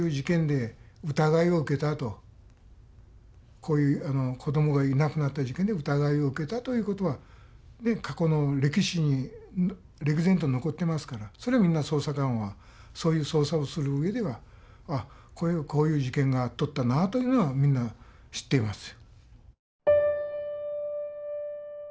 こういう子どもがいなくなった事件で疑いを受けたということは過去の歴史に歴然と残ってますからそれはみんな捜査官はそういう捜査をするうえではこういう事件があっとったなというのはみんな知っていますよ。